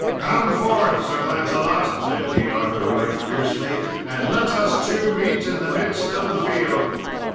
"Come forth, Sir Lancelot," said King Arthur right fiercely, "and let us two meet in the midst of the field."